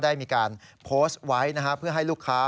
ขณะที่เฟสบุ๊คของสวนน้ำยังไม่เสร็จนะครับ